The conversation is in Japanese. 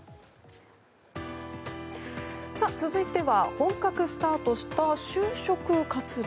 続いては本格スタートした就職活動。